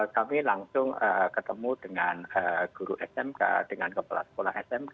kami langsung ketemu dengan guru smk dengan kepala sekolah smk